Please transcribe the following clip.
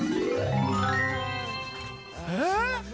えっ？